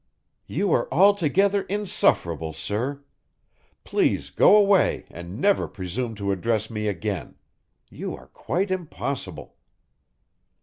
"You are altogether insufferable, sir. Please go away and never presume to address me again. You are quite impossible."